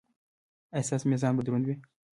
ایا ستاسو میزان به دروند وي؟